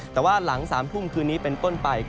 แต่ว่าหลัง๓ทุ่มคืนนี้เป็นต้นไป